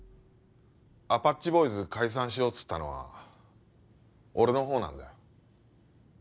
アパッチボーイズ解散しようっつったのは俺のほうなんだよ。